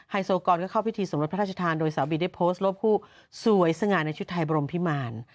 โซกรก็เข้าพิธีสมรสพระราชทานโดยสาวบีได้โพสต์รูปคู่สวยสง่าในชุดไทยบรมพิมาร